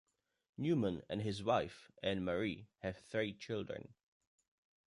Newman and his wife, Ann Marie, have three children.